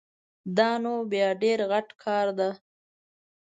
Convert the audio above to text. دا نو بیا ډېر غټ کار ده